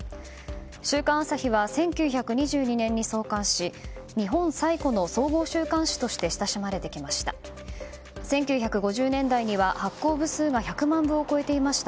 「週刊朝日」は１９２２年に創刊し日本最古の総合週刊誌として親しまれてきました。